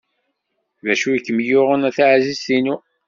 D acu i kem-yuɣen a taɛzizt-inu?